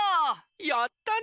やったね！